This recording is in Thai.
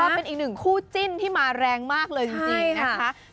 เป็นอีกหนึ่งคู่จิ้นที่มาแรงมากเลยจริงนะคะ